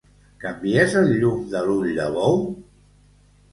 Canvies el llum de l'ull de bou?